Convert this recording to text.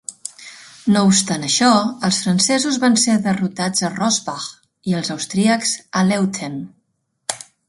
No obstant això, els francesos van ser derrotats a Rossbach i els austríacs a Leuthen.